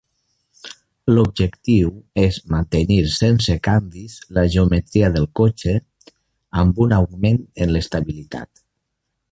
L'objectiu és mantenir sense canvis la geometria del cotxe, amb un augment en l'estabilitat.